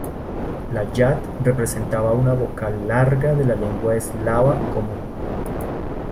La yat representaba una vocal larga de la lengua eslava común.